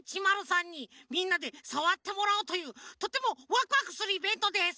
Ｄ１０３にみんなでさわってもらおうというとてもわくわくするイベントです。